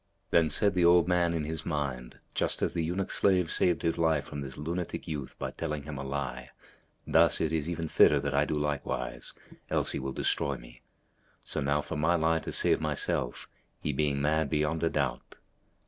Then said the old man in his mind, "Just as the eunuch slave saved his life from this lunatic youth by telling him a lie, thus it is even fitter that I do likewise; else he will destroy me. So now for my lie to save myself, he being mad beyond a doubt."